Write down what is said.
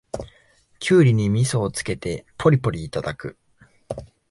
キュウリにみそをつけてポリポリいただく